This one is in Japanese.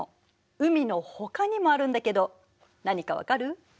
海のほかにもあるんだけど何か分かる？